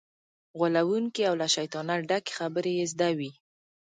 غولونکې او له شیطانت ډکې خبرې یې زده وي.